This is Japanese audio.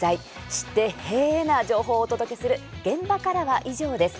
知ってへえ、な情報をお届けする「現場からは以上です」。